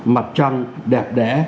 mặt trăng đẹp đẽ